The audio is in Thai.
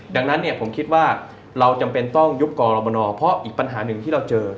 ดังนั้นเนี่ยผมคิดว่าเราจำเป็นต้องยุบกรมนเพราะอีกปัญหาหนึ่งที่เราเจอ